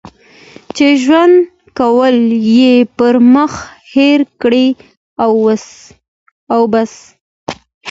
چې ژوند کول یې پر مخ هېر کړي او بس.